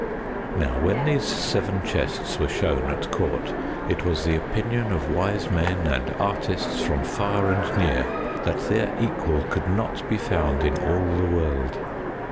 Now when these seven chests were shown at court, it was the opinion of wise men and artists from far and near that their equal could not be found in all the world.